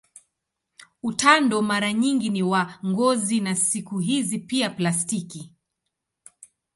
Utando mara nyingi ni wa ngozi na siku hizi pia plastiki.